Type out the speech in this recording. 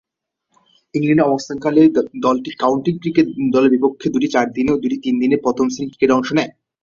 ইংল্যান্ডে অবস্থানকালে দলটি কাউন্টি ক্রিকেট দলের বিপক্ষে দুইটি চারদিনের ও দুইটি তিনদিনের প্রথম-শ্রেণীর ক্রিকেটে অংশ নেয়।